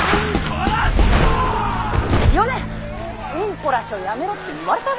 うんこらしょやめろって言われたべ。